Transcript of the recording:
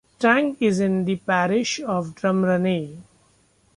Tang is in the parish of Drumraney.